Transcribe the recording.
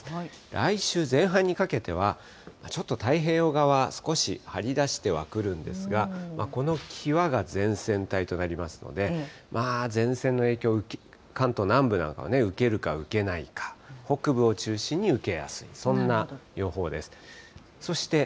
来週前半にかけては、ちょっと太平洋側、少し張り出してはくるんですが、このきわが前線たいとなりますので、まあ、前線の影響、関東南部なんかは受けるか受けないか、北部を中心に受けやすい、そんな予報です。